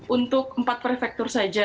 untuk empat prefektur saja